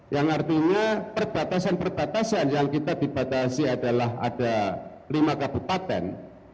yang artinya perbatasan perbatasan yang kita dibatasi adalah ada lima kabupaten